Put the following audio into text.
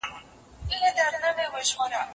يو بل دي د مشرانو د خوشالولو تګلاري سره وښيي.